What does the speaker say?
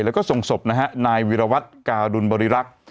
และก็ทรงศพนายวิรวัตรกาดุลบริรักษ์